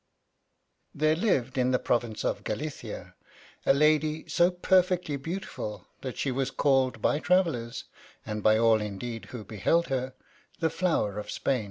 THERE lived in the Province of Galicia, a lady so perfectly beau tiful, that she was called by travellers, and by all indeed who beheld her, the Flower of Spam.